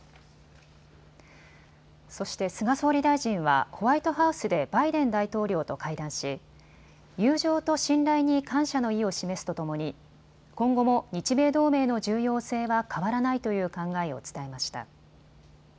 そして菅総理大臣はホワイトハウスでバイデン大統領と会談し、友情と信頼に感謝の意を示すとともに今後も日米同盟の重要性は変わらないという考えを伝えました。